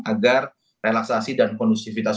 agar relaksasi dan kondusivitas